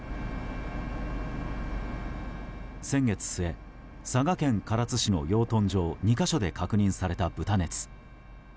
先月末、佐賀県唐津市の養豚場２か所で確認された豚熱。